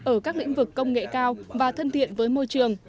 ở các lĩnh vực công nghệ cao và thân thiện với môi trường